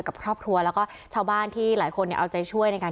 กับครอบครัวแล้วก็ชาวบ้านที่หลายคนเอาใจช่วยในการ